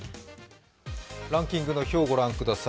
ランキングの表をご覧ください。